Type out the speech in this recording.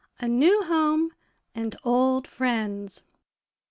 A NEW HOME AND OLD FRIENDS.